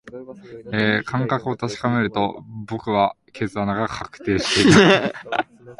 感触を確かめると、僕は尻ポケットに機械を入れた